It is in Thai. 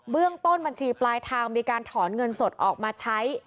เรื่องต้นบัญชีปลายทางมีการถอนเงินสดออกมาใช้